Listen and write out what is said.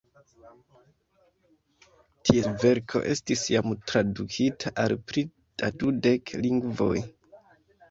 Ties verko estis jam tradukita al pli da dudek lingvoj.